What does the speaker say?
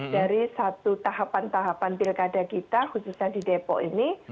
dari satu tahapan tahapan pilkada kita khususnya di depok ini